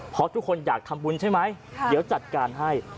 เพราะทุกคนอยากทำบุญใช่ไหมเดี๋ยวจัดการให้